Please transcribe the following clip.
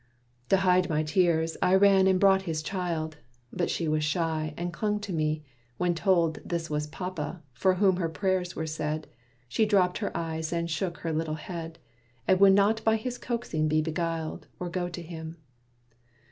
To hide my tears, I ran and brought his child; But she was shy, and clung to me, when told This was papa, for whom her prayers were said. She dropped her eyes and shook her little head, And would not by his coaxing be beguiled, Or go to him.